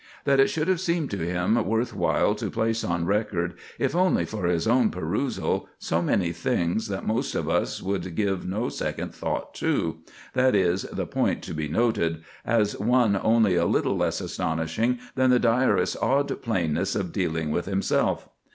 That it should have seemed to him worth while to place on record, if only for his own perusal, so many things that most of us would give no second thought to—that is the point to be noted, as one only a little less astonishing than the diarist's odd plainness of dealing with himself.